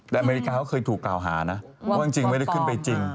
แต่อเมริกาเขาเคยถูกกล่าวหานะว่าจริงไม่ได้ขึ้นไปจริง